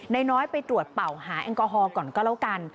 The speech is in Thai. น้อยไปตรวจเป่าหาแอลกอฮอล์ก่อนก็แล้วกัน